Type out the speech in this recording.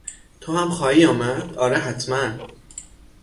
تو هم خواهی آمد؟ آره، حتما!